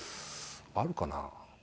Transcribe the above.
あるかな？